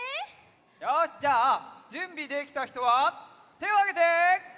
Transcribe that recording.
よしじゃあじゅんびできたひとはてをあげて！